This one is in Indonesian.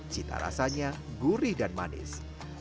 cita rasanya gurih dan manis